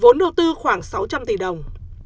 vốn đầu tư khoảng sáu trăm linh tỷ đồng